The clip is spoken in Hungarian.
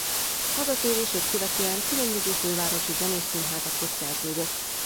Hazatérését követően különböző fővárosi zenés színházakhoz szerződött.